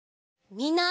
みんな。